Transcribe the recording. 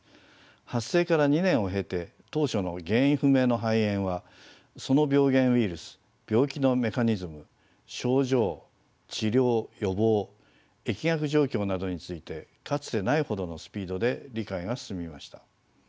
発生から２年を経て当初の原因不明の肺炎はその病原ウイルス病気のメカニズム症状治療予防疫学状況などについてかつてないほどのスピードで理解が進みました。